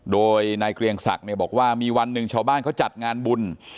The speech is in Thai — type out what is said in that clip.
โดยนายเกรียงศักดิ์เนี่ยบอกว่ามีวันหนึ่งชาวบ้านเขาจัดงานบุญ